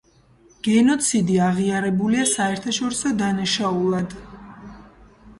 გენოციდი აღიარებულია საერთაშორისო დანაშაულად.